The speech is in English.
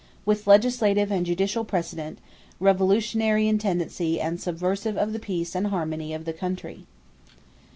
with legislative and judicial precedent ... revolutionary in tendency and subversive of the peace and harmony of the country."